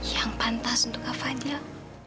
yang pantas untuk afadiyah